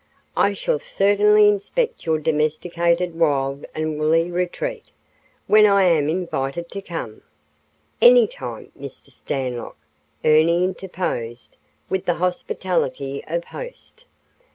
I shall certainly inspect your domesticated wild and woolly retreat. When am I invited to come?" "Any time, Mr. Stanlock," Ernie interposed, with the hospitality of host.